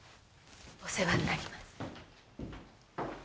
お世話になります。